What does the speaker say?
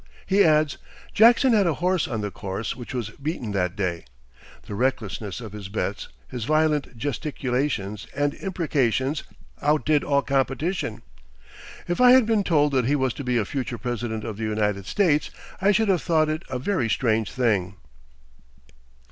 He adds: "Jackson had a horse on the course which was beaten that day. The recklessness of his bets, his violent gesticulations and imprecations, outdid all competition. If I had been told that he was to be a future President of the United States, I should have thought it a very strange thing."